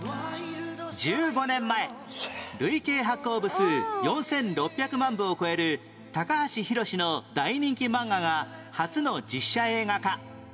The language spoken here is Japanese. １５年前累計発行部数４６００万部を超える橋ヒロシの大人気マンガが初の実写映画化